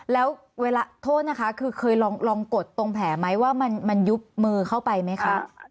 แล้วเวลาโทษนะคะคือเคยลองกดตรงแผลไหมว่ามันยุบมือเข้าไปไหมคะ